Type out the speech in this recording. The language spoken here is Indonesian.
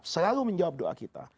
selalu menjawab doa kita